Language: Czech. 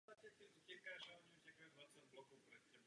To má negativní vliv na vyvážející ekonomiky.